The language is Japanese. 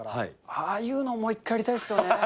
ああいうのもう一回やりたいっすよね。